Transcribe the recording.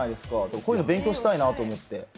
こういうの勉強したいなと思って。